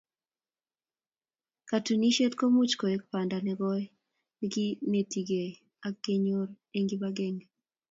Katunisyet komuch koek banda ne koi nekinetigei ak keneryo eng kibagenge.